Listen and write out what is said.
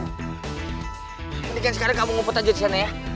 mendingan sekarang kamu ngumpet aja disana ya